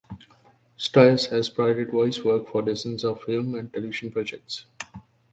Stiers has provided voice work for dozens of film and television projects.